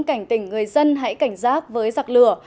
cảnh tỉnh người dân hãy cảnh giác với giặc lửa